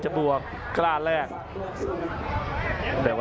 อัศวินาศาสตร์